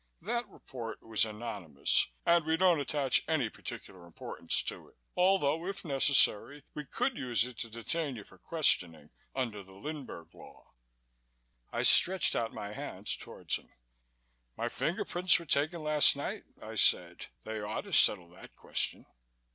That report was anonymous and we don't attach any particular importance to it, although if necessary we could use it to detain you for questioning under the Lindbergh Law." I stretched out my hands toward him. "My fingerprints were taken last night," I said. "They ought to settle that question."